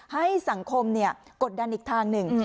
ให้สังคมกดดันอีกทางหนึ่ง